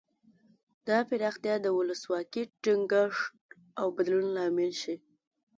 دا پراختیا د ولسواکۍ ټینګښت او بدلون لامل شي.